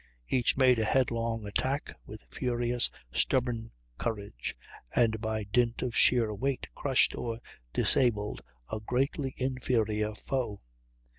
Each made a headlong attack, with furious, stubborn courage, and by dint of sheer weight crushed or disabled a greatly inferior foe.